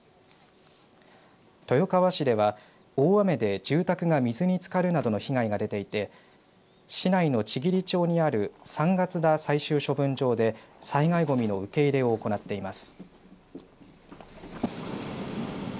豊川市では大雨で住宅が水につかるなどの被害が出ていて市内の千両町にある三月田最終処分場で災害ごみの受け入れを行っています。